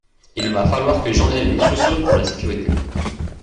Il va falloir que j'enlève mes chaussures pour la sécurité.